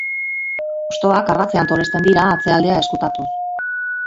Hostoak ardatzean tolesten dira atzealdea ezkutatuz.